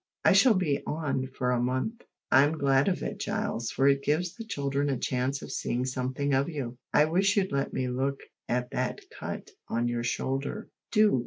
I shall be on for a month." "I'm glad of it, Giles, for it gives the children a chance of seeing something of you. I wish you'd let me look at that cut on your shoulder. Do!"